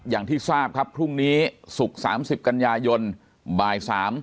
อย่างที่ทราบครับพรุ่งนี้ศุกร์๓๐กันยายนบ่าย๓